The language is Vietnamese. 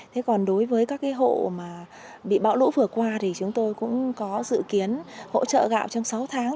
thế còn đối với các cái hộ mà bị bão lũ vừa qua thì chúng tôi cũng có dự kiến hỗ trợ gạo trong sáu tháng